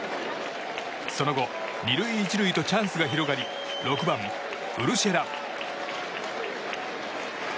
その後２塁１塁とチャンスが広がり６番、ウルシェラ。